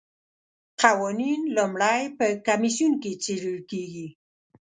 قوانین لومړی په کمیسیون کې څیړل کیږي.